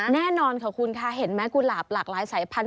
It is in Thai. แน่นอนขอบคุณค่ะเห็นไหมกุหลาบหลากหลายสายพันธ